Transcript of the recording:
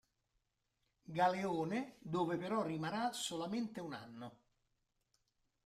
Galeone dove però rimarrà solamente un anno.